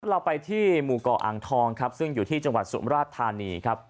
เราไปที่หมู่เกาะอ่างทองครับซึ่งอยู่ที่จังหวัดสุมราชธานีครับ